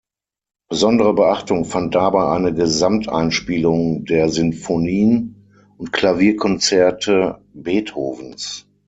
Besondere Beachtung fand dabei eine Gesamteinspielung der Sinfonien und Klavierkonzerte Beethovens.